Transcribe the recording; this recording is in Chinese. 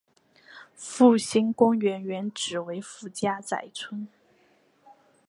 复兴公园原址为顾家宅村。